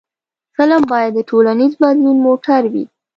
فلم باید د ټولنیز بدلون موټر وي